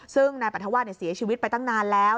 ซึ่งนายปรัฐวาสเสียชีวิตไปตั้งนานแล้ว